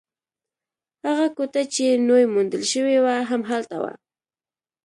هغه کوټه چې نوې موندل شوې وه، هم هلته وه.